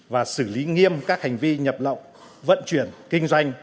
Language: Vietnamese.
và xử lý nghiêm các hành vi nhập lậu vận chuyển kinh doanh